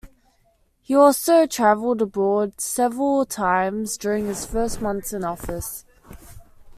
He also traveled abroad several times during his first months in office.